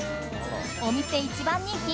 お店一番人気！